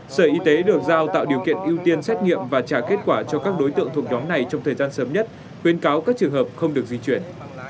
sở y tế được giao tạo điều kiện ưu tiên xét nghiệm và trả kết quả cho các đối tượng thuộc nhóm này trong thời gian sớm nhất khuyên cáo các trường hợp không được di chuyển